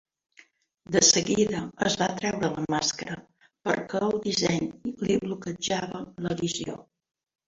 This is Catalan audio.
De seguida es va treure la màscara perquè el disseny li bloquejava la visió.